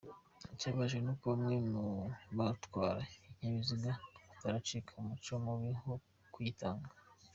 Ikibabaje ni uko bamwe mu batwara ibinyabiziga bataracika ku muco mubi wo kuyitanga."